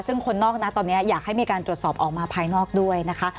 ซึ่งคนนอกนะตอนนี้อยากให้มีการตรวจสอบออกมาภายนอกด้วยนะคะ